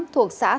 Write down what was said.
thuộc xã thái